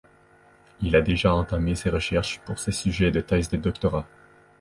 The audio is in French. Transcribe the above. Il a déjà entamé ses recherches pour ses sujets de thèses de doctorat.